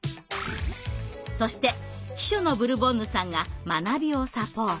そして秘書のブルボンヌさんが学びをサポート。